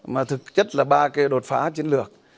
mà thực chất là ba cái đột phá chiến lược